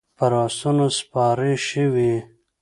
پر اسونو سپارې شوې.